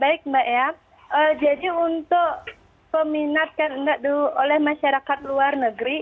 baik mbak ya jadi untuk peminat kan enggak oleh masyarakat luar negeri